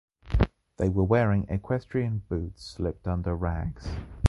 They were wearing equestrian boots slipped under rags.